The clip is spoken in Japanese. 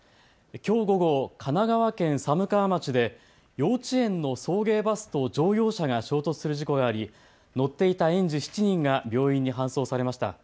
きょう午後、神奈川県寒川町で幼稚園の送迎バスと乗用車が衝突する事故があり乗っていた園児７人が病院に搬送されました。